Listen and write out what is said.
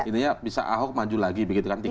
jadi ini ya bisa ahok maju lagi begitu kan tiket